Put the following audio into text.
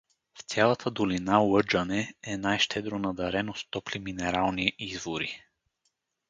В цялата долина Лъджане е най-щедро надарено с топли минерални извори.